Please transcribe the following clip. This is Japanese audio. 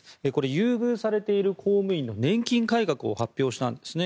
優遇されている公務員の年金改革を発表したんですね。